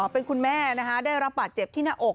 เป็นคุณแม่ได้รับบาดเจ็บที่หน้าอก